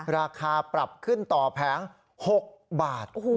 ราคาปรับขึ้นต่อแผง๖บาท